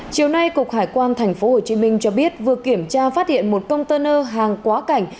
chiều nay cục hải quan tp hcm cho biết vừa kiểm tra phát hiện một container hàng quá cảnh